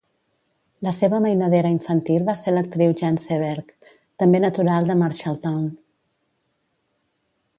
La seva mainadera infantil va ser l'actriu Jean Seberg, també natural de Marshalltown.